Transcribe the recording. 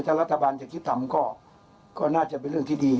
ถ้ารัฐบาลจะคิดทำก็น่าจะเป็นเรื่องที่ดี